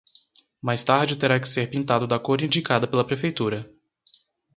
Mais tarde terá que ser pintado da cor indicada pela Prefeitura.